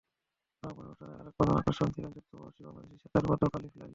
সমাপনী অনুষ্ঠানে আরেক প্রধান আকর্ষণ ছিলেন যুক্তরাষ্ট্রপ্রবাসী বাংলাদেশি সেতার বাদক আলিফ লায়লা।